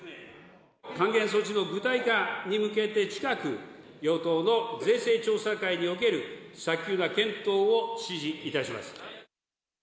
還元措置の具体化に向けて、近く、与党の税制調査会における早急な検討を指示いたします。